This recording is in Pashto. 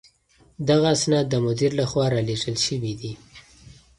دغه اسناد د مدير له خوا رالېږل شوي دي.